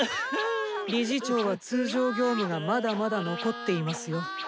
理事長は通常業務がまだまだ残っていますよ。